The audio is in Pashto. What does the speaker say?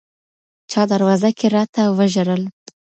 چـا دروازه كي راتـه وژړل